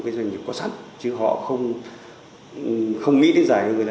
cái doanh nghiệp có sắt chứ họ không nghĩ đến dài hơn